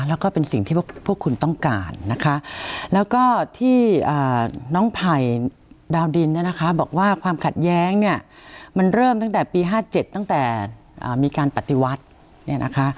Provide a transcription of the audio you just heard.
แล้วก็เป็นสิ่งที่พวกคุณต้องการนะคะแล้วก็ที่น้องไผ่ดาวดินบอกว่าความขัดแย้งมันเริ่มตั้งแต่ปี๕๗ตั้งแต่มีการปฏิวัติ